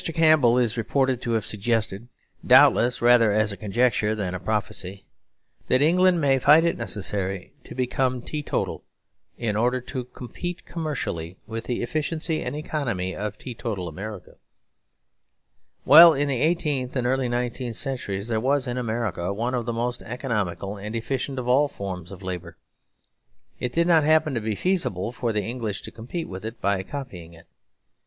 Campbell is reported to have suggested, doubtless rather as a conjecture than a prophecy, that England may find it necessary to become teetotal in order to compete commercially with the efficiency and economy of teetotal America. Well, in the eighteenth and early nineteenth centuries there was in America one of the most economical and efficient of all forms of labour. It did not happen to be feasible for the English to compete with it by copying it.